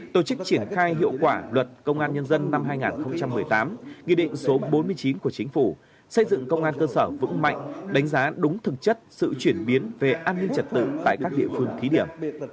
tổ chức triển khai hiệu quả luật công an nhân dân năm hai nghìn một mươi tám nghị định số bốn mươi chín của chính phủ xây dựng công an cơ sở vững mạnh đánh giá đúng thực chất sự chuyển biến về an ninh trật tự tại các địa phương thí điểm